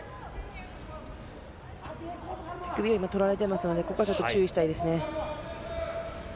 手首を取られていますので注意したいですね。